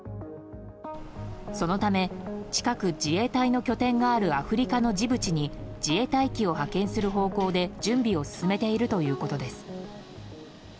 そのため、近く自衛隊の拠点があるアフリカのジブチに自衛隊機を派遣する方向で準備を進めているということです。